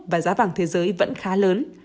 và giá vàng thế giới vẫn khá lớn